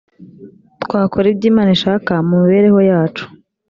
twakora ibyo imana ishaka mu mibereho yacu